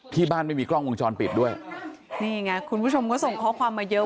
ไม่มีกล้องวงจรปิดด้วยนี่ไงคุณผู้ชมก็ส่งข้อความมาเยอะ